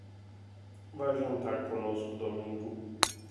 Vá jantar conosco domingo.